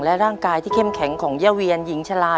และร่างกายที่เข้มแข็งของย่าเวียนหญิงชะลา